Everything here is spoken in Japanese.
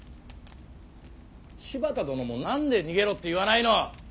柴田殿も何で「逃げろ」って言わないの？